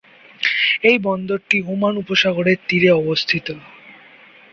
এই বন্দরটি ওমান উপসাগর এর তীরে অবস্থিত।